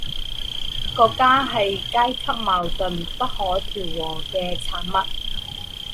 国家是阶级矛盾不可调和的产物